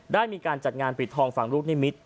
ได้มีการจัดงานปิดทองฟังฤกษ์ในมิส